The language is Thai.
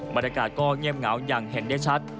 บรรยากาศก็เงียบเหงาอย่างเห็นได้ชัด